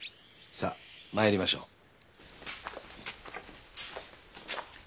さあ参りましょう。